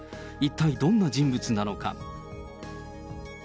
一体どんな人物なのか。